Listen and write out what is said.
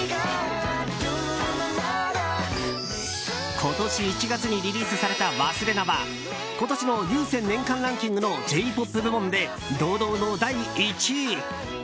今年１月にリリースされた「勿忘」は今年のＵＳＥＮ年間ランキングのＪ‐ＰＯＰ部門で堂々の第１位。